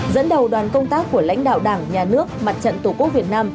dẫn đầu đoàn công tác của lãnh đạo đảng nhà nước mặt trận tổ quốc việt nam